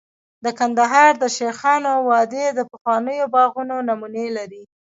د کندهار د شیخانو وادي د پخوانیو باغونو نمونې لري